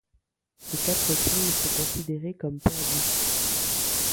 Ces quatre films sont considérés comme perdus.